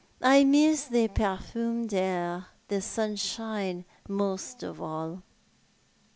I miss the per fumed air, and the sunshine most of all."